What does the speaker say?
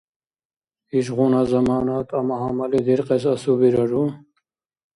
Ишгъуна замана тӀама-гьамали диркьес асубирару?